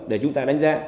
để chúng ta đánh giá